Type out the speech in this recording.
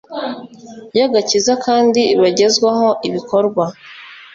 y agakiza kandi bagezwaho ibikorwa